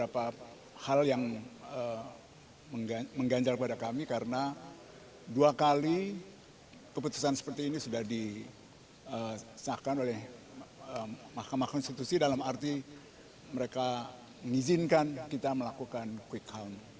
pokoknya akan dilakukan oleh mahkamah konstitusi dalam arti mereka mengizinkan kita melakukan quick count